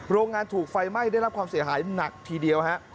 โรงงานถูกไฟไหม้ได้รับความเสียหายหนักทีเดียวฮะ